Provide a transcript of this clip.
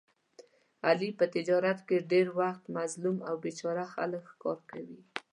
علي په تجارت کې ډېری وخت مظلوم او بې چاره خلک ښکار کوي.